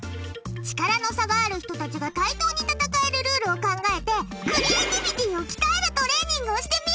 力の差がある人たちが対等に戦えるルールを考えてクリエーティビティを鍛えるトレーニングをしてみようでブカ。